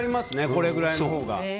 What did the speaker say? これぐらいのほうが。